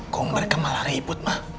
kau berkemala ribut mah